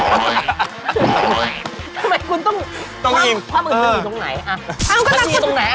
ทำไมคุณต้องว่ามันอยู่ตรงไหน